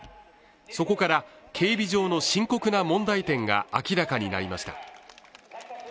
そこから警備上の深刻な問題点が明らかになりました。